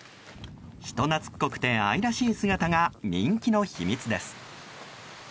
人懐っこくて愛らしい姿が人気の秘密です。